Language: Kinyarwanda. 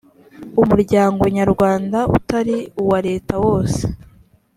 umuryango nyarwanda utari uwa leta wose